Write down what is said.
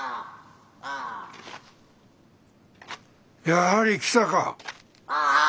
やはり来たか。